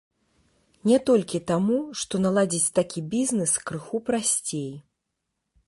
Не толькі таму, што наладзіць такі бізнес крыху прасцей.